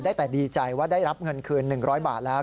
แต่ดีใจว่าได้รับเงินคืน๑๐๐บาทแล้ว